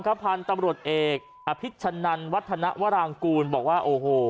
พันธุ์ตำรวจเอกอภิชนันวัฒนวรางกูลบอกว่าโอ้โห